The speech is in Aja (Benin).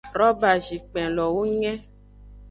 Robazikpenlowo nge.